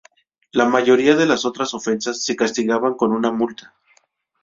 La mayoría de las otras ofensas se castigaban con una multa.